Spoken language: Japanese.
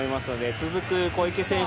続く小池選手。